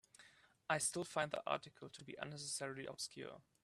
I still find the article to be unnecessarily obscure.